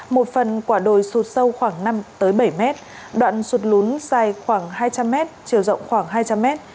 một phần quả đồi sụt sâu khoảng năm bảy mét đoạn sụt lún dài khoảng hai trăm linh mét chiều rộng khoảng hai trăm linh mét